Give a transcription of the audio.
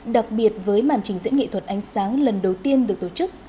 đặc biệt với màn trình diễn nghệ thuật ánh sáng lần đầu tiên được tổ chức